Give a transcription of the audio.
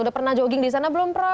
udah pernah jogging di sana belum pernah